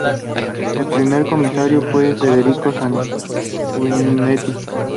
El primer comisionado fue Federico Sanguinetti.